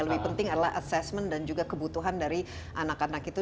lebih penting adalah assessment dan juga kebutuhan dari anak anak itu